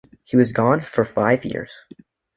He was gone for five years.